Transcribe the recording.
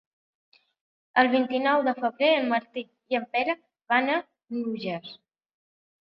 El vint-i-nou de febrer en Martí i en Pere van a Nulles.